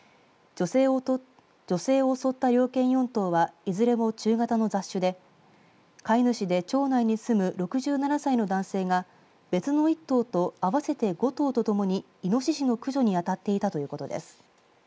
女性を襲った猟犬４頭はいずれも中型の雑種で飼い主で町内に住む６７歳の男性が別の１頭と合わせて５頭と共にいのししの駆除に当たっていたということです。